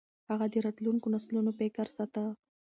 هغه د راتلونکو نسلونو فکر ساته.